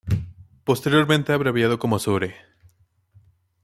Posteriormente abreviado como Soure.